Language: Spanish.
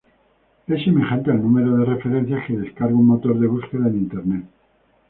Es semejante al número de referencias que descarga un motor de búsqueda en Internet.